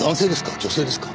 女性ですか？